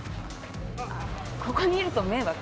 ここにいると迷惑？